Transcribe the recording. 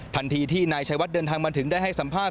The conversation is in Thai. ทันทีที่นายชัยวัดเดินทางมาถึงได้ให้สัมภาษณ